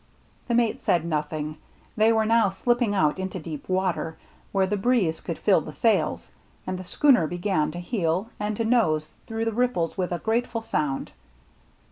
The mate said nothing. They were now slipping out into deep water, where the breeze could fill the sails, and the schooner began to heel and to nose through the ripples with a grateful sound.